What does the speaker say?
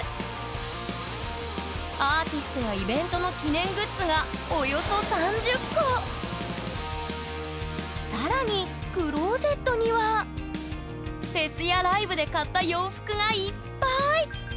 アーティストやイベントの記念グッズが更にクローゼットにはフェスやライブで買った洋服がいっぱい！